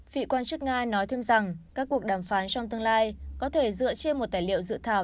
vị quan chức nga nói thêm rằng các cuộc đàm phán trong tương lai có thể dựa trên một tài liệu dự thảo